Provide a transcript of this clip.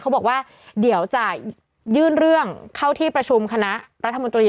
เขาบอกว่าเดี๋ยวจะยื่นเรื่องเข้าที่ประชุมคณะรัฐมนตรี